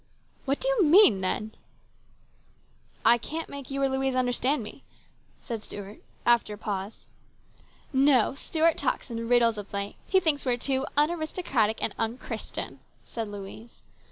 " What do you mean, then ?" PLANS GOOD AND BAD. 183 " I can't make you or Louise understand me," said Stuart after a pause. " No ; Stuart talks in riddles of late. He thinks we are too aristocratic and unchristian," said Louise.